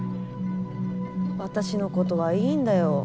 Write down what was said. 私のことはいいんだよ。